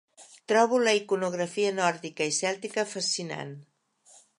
Trobo la iconografia nòrdica i cèltica fascinant.